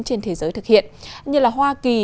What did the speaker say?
trên thế giới thực hiện như là hoa kỳ